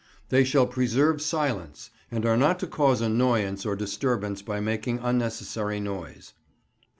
They shall preserve silence, and are not to cause annoyance or disturbance by making unnecessary noise.